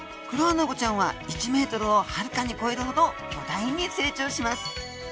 クロアナゴちゃんは１ｍをはるかに超えるほど巨大に成長します。